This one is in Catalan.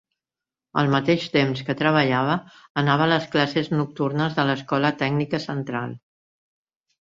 Al mateix temps que treballava anava a les classes nocturnes de l'Escola Tècnica Central.